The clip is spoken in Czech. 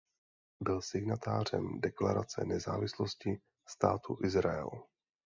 Byl signatářem Deklarace nezávislosti Státu Izrael.